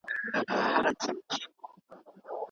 آیا کورنی کار تر بازاري کار ارام دی؟